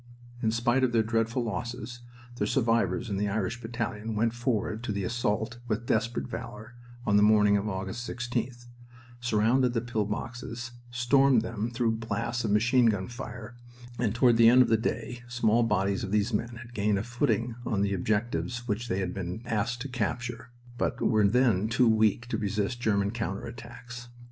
In spite of their dreadful losses the survivors in the Irish battalion went forward to the assault with desperate valor on the morning of August 16th, surrounded the pill boxes, stormed them through blasts of machine gun fire, and toward the end of the day small bodies of these men had gained a footing on the objectives which they had been asked to capture, but were then too weak to resist German counter attacks.